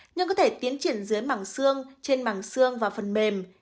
nhưng có thể tiến triển dưới mảng xương trên mảng xương và phần mềm